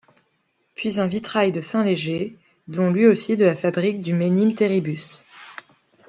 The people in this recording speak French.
Puis un vitrail de saint Léger, don lui aussi de la fabrique du Mesnil-Théribus.